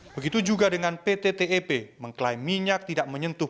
begitu juga dengan pt tep mengklaim minyak tidak menyentuh